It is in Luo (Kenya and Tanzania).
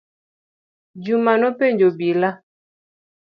Juma nopenjo obila.